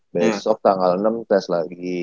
besok tanggal enam tes lagi